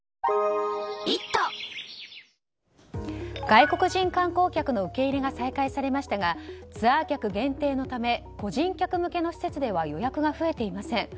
外国人観光客の受け入れが再開されましたがツアー客限定のため個人客向けの施設では予約が増えていません。